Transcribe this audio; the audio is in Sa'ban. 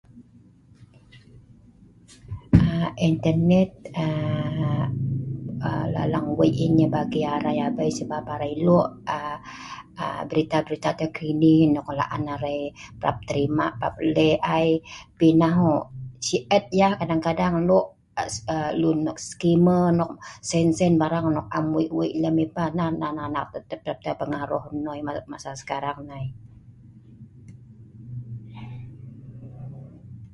Internet lang-lang wei yah bagi(wan) arai tabei, sebab(abin) arai lok terima(alak) berita(burung) terkini(nok breu) nok lak an parab arai terima(alak).Pi nah hok lok nok et-et ai ,kadang2x(kai si ai) lok lun send(mrai) scammer nok send(mrai) barang nok et-et ai pah hok. Nah nan anak terpengaruh(lak katap/maya) masa (parab)sekarang (nnoi) nai